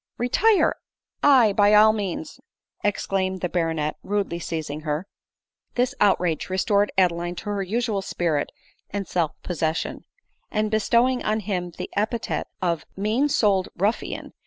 " Retire !— Aye, by all means," exclaimed the ba ronet, rudely seizing her. ADELINE MOWBRAY. 39 This outrage restored Adeline to her usual spirit and self possession ; and bestowing on him the epithet of " mean soul'd ruffian